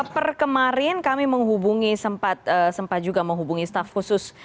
perkemarin kami menghubungi sempat juga menghubungi staff khusus